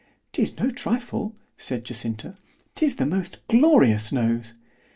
——'Tis no trifle, said Jacinta, 'tis the most glorious nose!